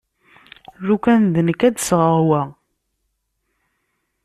Lukan d nekk ad d-sɣeɣ wa.